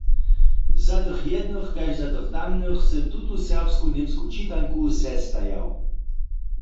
Za tych jednych kaž za tych tamnych sym tutu serbsko-němsku čitanku zestajał.